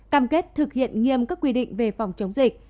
cam kết thực hiện nghiêm các quy định về phòng chống dịch